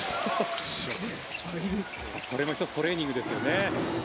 それも１つ、トレーニングですよね。